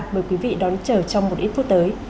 mời quý vị đón chờ trong một ít phút tới